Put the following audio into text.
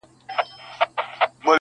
• که څه هم په ډېر تلوار -